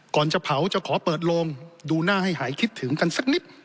ก่อนจะเผาจะขอเปิดโลงดูหน้าให้หายคิดถึงกันสักนิด